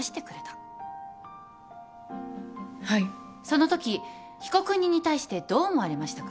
そのとき被告人に対してどう思われましたか？